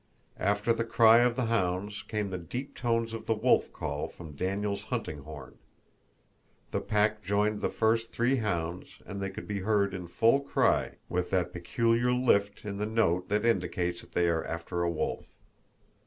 After the cry of the hounds came the deep tones of the wolf call from Daniel's hunting horn; the pack joined the first three hounds and they could be heard in full cry, with that peculiar lift in the note that indicates that they are after a wolf.